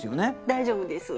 大丈夫です。